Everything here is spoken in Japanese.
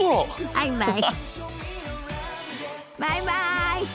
バイバイ！